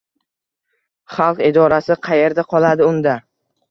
Xalq irodasi qayerda qoladi unda?